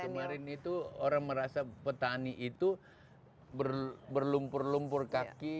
kemarin itu orang merasa petani itu berlumpur lumpur kaki